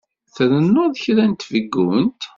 Trennuḍ kra n tfeggunt?